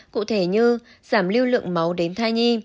cụ thể như giảm lưu lượng máu đến thai nhi